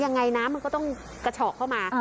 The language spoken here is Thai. น้ำมันก็ต้องกระเฉาะเข้ามา